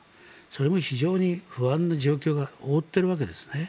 それも非常に不安な状況が覆っているわけですね。